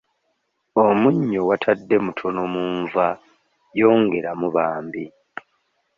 Ekitanda kino kikadde naye kigumu nnyo.